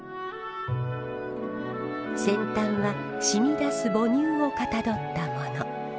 先端は染み出す母乳をかたどったもの。